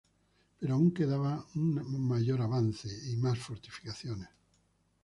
Pero aún quedaba un mayor avance y más fortificaciones.